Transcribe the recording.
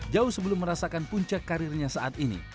jauh sebelum merasakan puncak karirnya saat ini